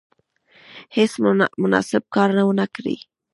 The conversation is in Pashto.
هیڅ نامناسب کار ونه کړي.